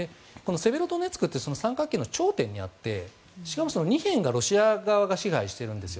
セベロドネツクって三角形の頂点にあって２辺をロシア側が支配しているんです。